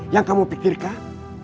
yang kamu pikirkan